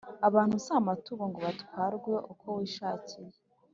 abantu si amatungo ngo batwarwe uko wishakiye